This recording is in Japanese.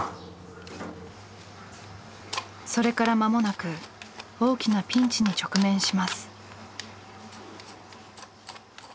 それから間もなく大きなピンチに直面します。